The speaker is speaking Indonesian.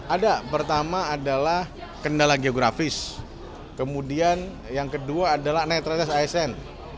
ada pertama adalah kendala geografis kemudian yang kedua adalah netralitas asn